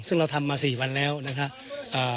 ซึ่งเราทำมาสี่วันแล้วนะครับ